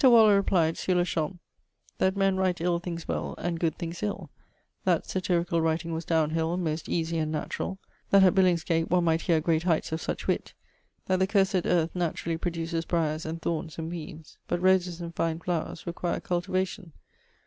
Waller replyed sur le champ 'that men write ill things well and good things ill; that satyricall writing was downehill, most easie and naturall; that at Billingsgate one might hear great heights of such witt; that the cursed earth naturally produces briars and thornes and weeds, but roses and fine flowers require cultivation.'